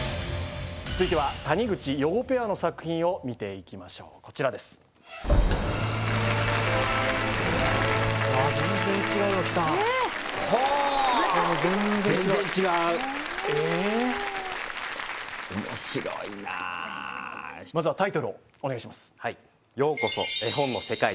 続いては谷口・余語ペアの作品を見ていきましょうこちらですわあ全然違うの来たほっ全然違う面白いなまずはタイトルをお願いしますです